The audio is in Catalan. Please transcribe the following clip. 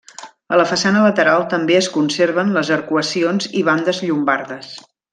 A la façana lateral també es conserven les arcuacions i bandes llombardes.